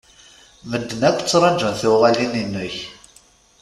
Medden akk ttrajun tuɣalin-inek.